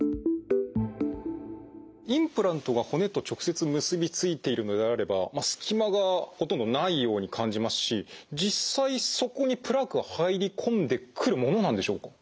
インプラントが骨と直接結び付いているのであればすき間がほとんどないように感じますし実際そこにプラークは入り込んでくるものなんでしょうか？